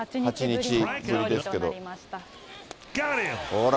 ほら。